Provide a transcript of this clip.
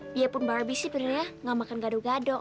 biarpun barbie sih sebenernya gak makan gado gado